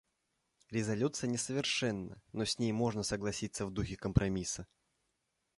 Резолюция несовершенна, но с ней можно согласиться в духе компромисса.